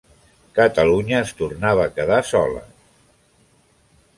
Catalunya es tornava a quedar sola.